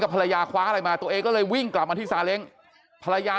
ภรรยาคว้าอะไรมาตัวเองก็เลยวิ่งกลับมาที่ซาเล้งภรรยา